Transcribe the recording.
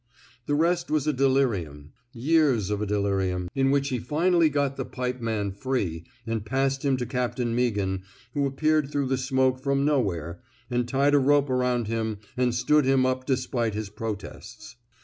The rest was a delirium — years of a delirium — in which he finally got the pipe man free and passed him to Captain Mea ghan, who appeared through the smoke from nowhere, and tied a rope around him and stood him up despite his protests.